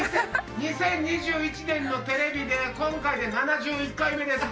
２０２１年のテレビで今回で７１回目です。